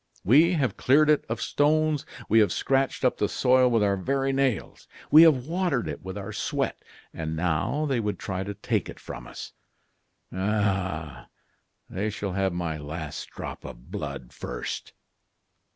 We have cleared it of stones, we have scratched up the soil with our very nails, we have watered it with our sweat, and now they would try to take it from us! Ah! they shall have my last drop of blood first!"